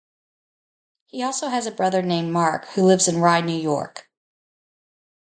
He also has a brother named Mark who lives in Rye, New York.